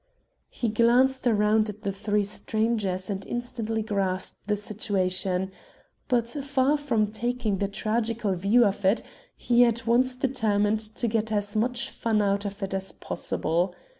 He glanced around at the three strangers and instantly grasped the situation; but, far from taking the tragical view of it, he at once determined to get as much fun out of it as possible.